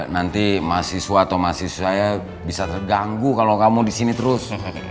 nanti mahasiswa atau mahasiswanya bisa terganggu kalau kamu di sini terus